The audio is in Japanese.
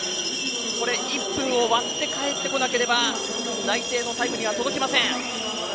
１分を割って返ってこなければ内定のタイムには届きません。